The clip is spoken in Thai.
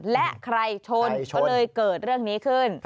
และใครชนก็เลยเกิดเรื่องนี้ขึ้น